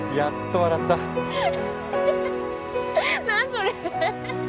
それ。